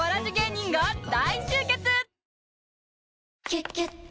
「キュキュット」